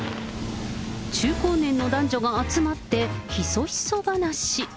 中高年の男女が集まって、ひそひそ話。